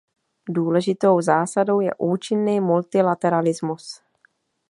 Důležitou zásadou je účinný multilateralismus.